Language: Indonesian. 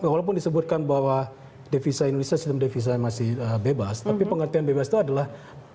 walaupun disebutkan bahwa devisa indonesia sistem devisa masih bebas tapi pengertian bebas itu adalah